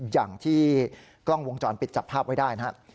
อย่างที่กล้องวงจรปิดจับภาพไว้ได้นะครับ